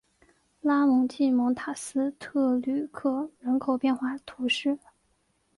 拉蒙济蒙塔斯特吕克人口变化图示